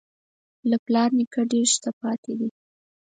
له پلار نیکه ډېر شته پاتې دي.